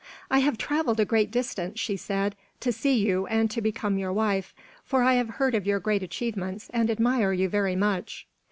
"I have traveled a great distance," she said, "to see you and to become your wife; for I have heard of your great achievements and admire you very much."